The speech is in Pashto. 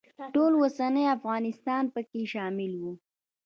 ټول اوسنی افغانستان پکې شامل و.